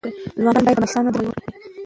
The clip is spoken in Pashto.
ځوانان باید د مشرانو درناوی وکړي.